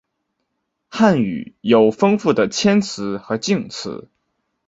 汉语有丰富的谦辞和敬辞。